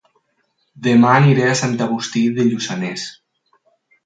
Dema aniré a Sant Agustí de Lluçanès